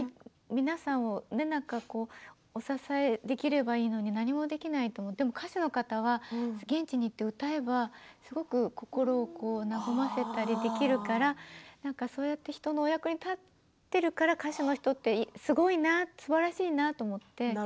皆さんをお支えできればいいのに何もできないと思ってでも歌手の方は現地に行って歌えばすごく心を和ませたりできるからそうやって人のお役に立っているから歌手の人ってすごいなすばらしいなと思って。